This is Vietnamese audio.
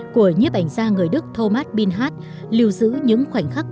của nhiếp ảnh gia người đức thomas bilhart lưu giữ những khoảnh khắc